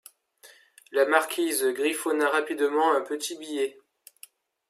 La marquise griffonna rapidement un petit billet.